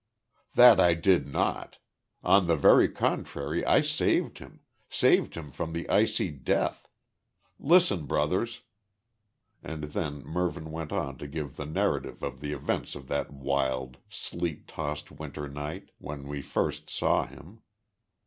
"That did I not. On the very contrary, I saved him saved him from the icy death. Listen brothers." And then Mervyn went on to give the narrative of the events of that wild, sleet tossed winter night, when we first saw him.